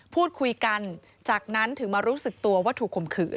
พูดคุยกันจากนั้นถึงมารู้สึกตัวว่าถูกข่มขืน